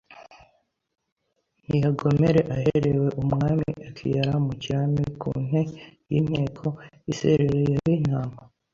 Ntiagomere aherewe Umwami akiara mu kirami Ku ntee y’inteko Iserereyeho intama